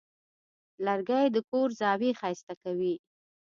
لرګی د کور زاویې ښایسته کوي.